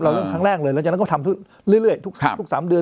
เราเลือกครั้งแรกเลยแล้วจากนั้นก็ทำทุกเรื่อยเรื่อยทุกทุกสามเดือน